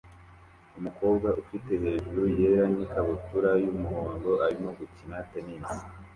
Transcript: Umukobwa ufite hejuru yera n'ikabutura y'umuhondo arimo gukina tennis